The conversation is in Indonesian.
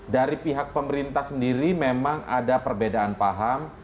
dari pihak pemerintah sendiri memang ada perbedaan paham